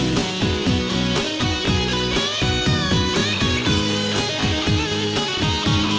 มันรอบนี้สุดท้ายขึ้นฉันตา